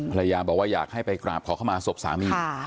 ภรรยาบอกว่าอยากให้ไปกราบขอเข้ามาศพสามี